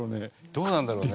どうなんだろうね？